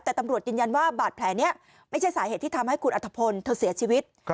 แต่ตำรวจยืนยันว่าบาดแผลนี้ไม่ใช่สาเหตุที่ทำให้คุณอัฐพลเธอเสียชีวิต